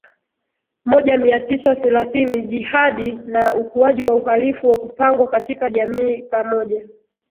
moja mia tisa thelathini Jihadi na ukuaji wa uhalifu wa kupangwa katika jamii pamoja